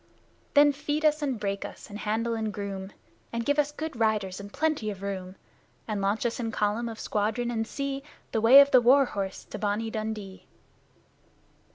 Then feed us and break us and handle and groom, And give us good riders and plenty of room, And launch us in column of squadron and see The way of the war horse to "Bonnie Dundee"!